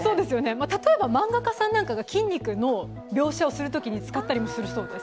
例えば漫画家さんなんかが筋肉の描写を描くときに使ったりするそうです。